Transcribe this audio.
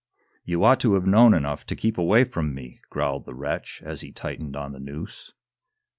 "You ought to have known enough to keep away from me," growled the wretch, as he tightened on the noose.